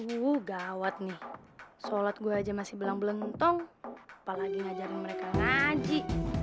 uh gawat nih solat gue aja masih belang belentong apalagi ngajarin mereka ngaji